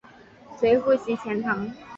随父徙钱塘。